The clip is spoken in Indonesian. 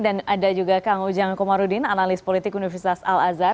ada juga kang ujang komarudin analis politik universitas al azhar